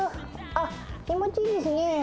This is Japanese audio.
あっ気持ちいいですねえ。